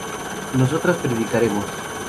nosotras predicaremos